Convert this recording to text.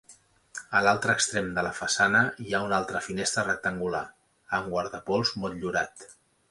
A l'altre extrem de la façana hi ha una altra finestra rectangular, amb guardapols motllurat.